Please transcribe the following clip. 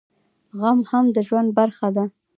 غم هم د ژوند برخه ده